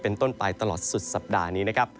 เป็นต้นไปตลอดสุดสัปดาห์นี้นะครับ